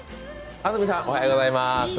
安住さん、おはようございます。